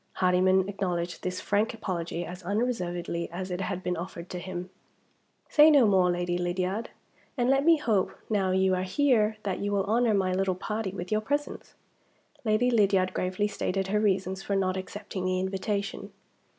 Hardyman acknowledged this frank apology as unreservedly as it had been offered to him. "Say no more, Lady Lydiard. And let me hope, now you are here, that you will honor my little party with your presence." Lady Lydiard gravely stated her reasons for not accepting the invitation.